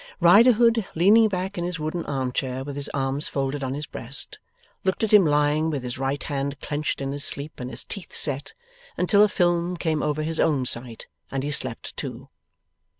Riderhood, leaning back in his wooden arm chair with his arms folded on his breast, looked at him lying with his right hand clenched in his sleep and his teeth set, until a film came over his own sight, and he slept too.